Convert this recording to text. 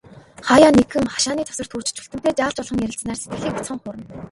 Хааяа нэгхэн, хашааны завсарт хүрч, Чүлтэмтэй жаал жуулхан ярилцсанаар сэтгэлийг бяцхан хуурна.